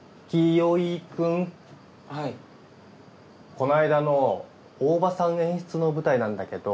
こないだの大場さん演出の舞台なんだけど。